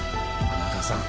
田中さん。